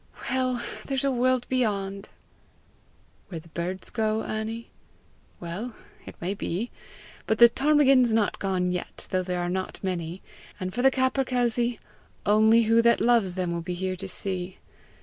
Well, there's a world beyond!" "Where the birds go, Annie? Well, it may be! But the ptarmigan's not gone yet, though there are not many; and for the capercailzie only who that loves them will be here to see!